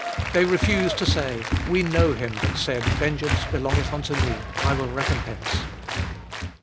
They refuse to say, We know Him that said, Vengeance belongeth unto Me, I will recompense.